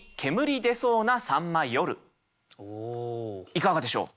いかがでしょう？